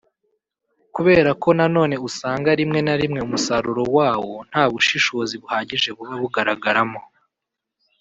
kubera ko na none usanga rimwe na rimwe umusaruro wawo nta bushishozi buhagije buba bugaragaramo